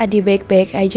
adi baik baik aja